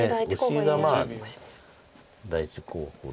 オシが第１候補で。